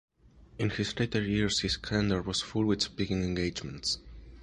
In his later years his calendar was full with speaking engagements.